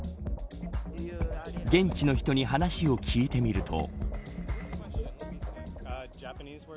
現地の人に話を聞いてみると。